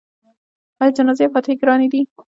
آیا جنازې او فاتحې ګرانې دي؟